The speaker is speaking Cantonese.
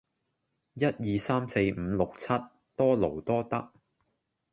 一二三四五六七，多勞多得